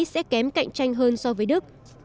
sẽ kém cạnh tranh hơn so với đức